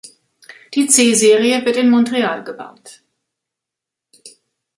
Die C-Serie wird in Montreal gebaut.